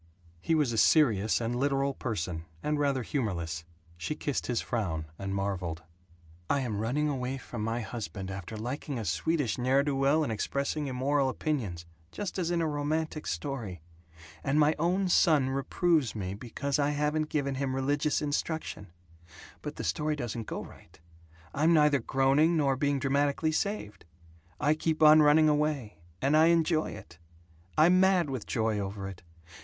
He was a serious and literal person, and rather humorless. She kissed his frown, and marveled: "I am running away from my husband, after liking a Swedish ne'er do well and expressing immoral opinions, just as in a romantic story. And my own son reproves me because I haven't given him religious instruction. But the story doesn't go right. I'm neither groaning nor being dramatically saved. I keep on running away, and I enjoy it. I'm mad with joy over it.